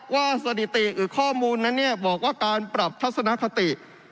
สถิติหรือข้อมูลนั้นบอกว่าการปรับทัศนคติ